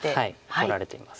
取られています。